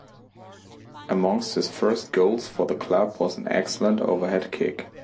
Amongst his first goals for the club was an excellent overhead kick.